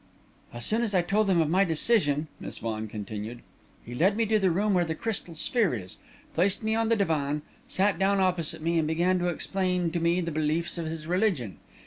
"As soon as I told him of my decision," Miss Vaughan continued, "he led me to the room where the crystal sphere is, placed me on the divan, sat down opposite me, and began to explain to me the beliefs of his religion.